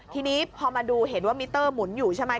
ทีนี้พอมาดูเห็นว่ามิเตอร์หมุนอยู่ใช่ไหม